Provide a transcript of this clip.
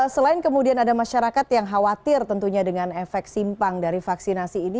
selain kemudian ada masyarakat yang khawatir tentunya dengan efek simpang dari vaksinasi ini